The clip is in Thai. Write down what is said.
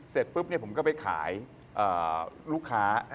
เสร็จปุ๊บผมก็ไปขายลูกค้า